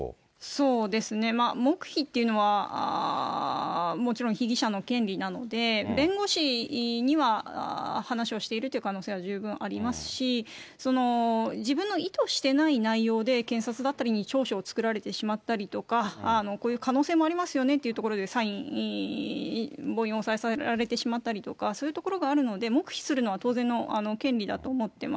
そうですね、黙秘っていうのは、もちろん被疑者の権利なので、弁護士には話をしているという可能性は十分ありますし、その自分の意図していない内容で、検察だったリに調書を作られてしまったりだとか、こういう可能性もありますよねというところでサイン、母印押されてしまったりとか、そういうところがあるので、黙秘するのは当然の権利だと思っています。